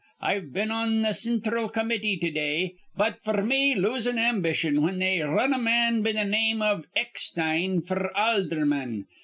I'd been on th' cinthral comity to day, but f'r me losin' ambition whin they r run a man be th' name iv Eckstein f'r aldherman.